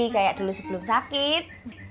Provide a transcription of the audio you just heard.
kayak dulu sebelum sakit